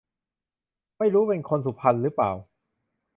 ไม่รู้เป็นคนสุพรรณรึเปล่า